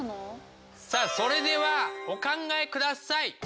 さあそれではお考えください！